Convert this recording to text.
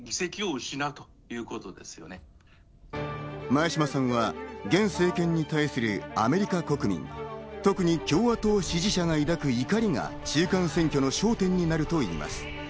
前嶋さんは現政権に対するアメリカ国民、特に共和党支持者が抱く怒りが中間選挙の焦点になるといいます。